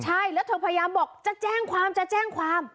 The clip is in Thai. ใช่แล้วเธอพยายามบอกจะแจ้งความจะแจ้งความ